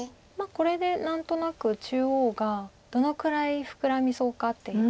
これで何となく中央がどのくらい膨らみそうかっていう。